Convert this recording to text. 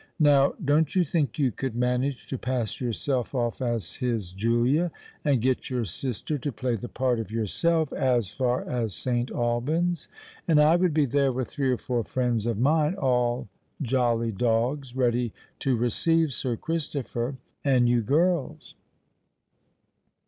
Now, don't you think you could manage to pass yourself off as his Julia, and get your sister to play the part of yourself, as far as St. Alban's? and I would be there with three or four friends of mine—all jolly dogs—ready to receive Sir Christopher and you girls.